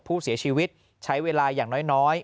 ผู้เสียชีวิตใช้เวลาอย่างน้อย